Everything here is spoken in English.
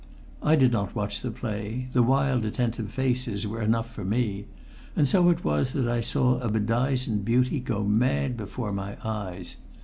I did not watch the play; the wild, attentive faces were enough for me; and so it was that I saw a bedizened beauty go mad before my eyes.